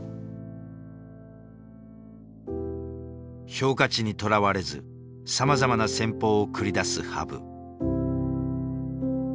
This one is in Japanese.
評価値にとらわれずさまざまな戦法を繰り出す羽生。